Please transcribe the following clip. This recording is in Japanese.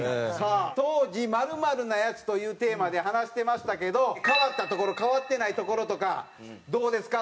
当時「○○な奴」というテーマで話してましたけど変わったところ変わってないところとかどうですか？